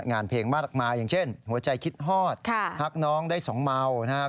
งานเพลงมากมายอย่างเช่นหัวใจคิดฮอดทักน้องได้สองเมานะครับ